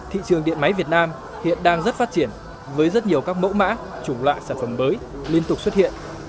thị trường điện máy việt nam hiện đang rất phát triển với rất nhiều các mẫu mã chủng loại sản phẩm mới liên tục xuất hiện